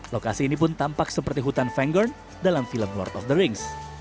lokasi ini pun tampak seperti hutan fengern dalam film lord of the rings